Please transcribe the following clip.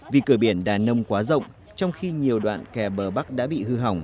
vì cửa biển đà nông quá rộng trong khi nhiều đoạn kè bờ bắc đã bị hư hỏng